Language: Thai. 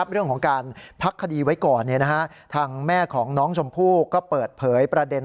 เรื่องของการพักคดีไว้ก่อนทางแม่ของน้องชมพู่ก็เปิดเผยประเด็น